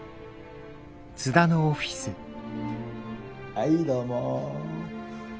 はいどうも。